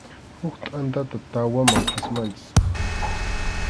Huk tʼantata tawaman phatmanchik.